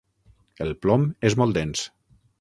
El plom és molt dens.